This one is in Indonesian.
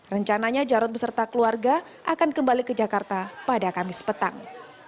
rencananya jarod beserta keluarga akan kembali ke jakarta pada kamis petang